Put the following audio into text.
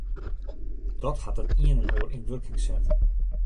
Dat hat it ien en oar yn wurking set.